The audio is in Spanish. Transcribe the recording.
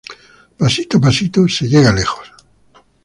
Pasito a pasito se llega lejos